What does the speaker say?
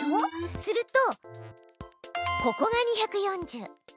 するとここが２４０。